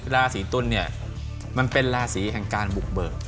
ราศีตุลเนี่ยมันเป็นราศีแห่งการบุกเบิก